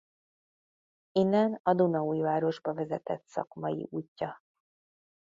Innen a Dunaújvárosba vezetett szakmai útja.